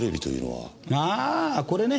あぁこれね。